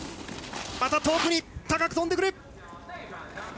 また遠くに高く飛んでくれ！